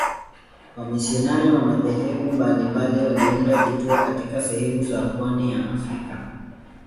Wamisionari wa madhehebu mbalimbali waliunda vituo katika sehemu za pwani ya Afrika.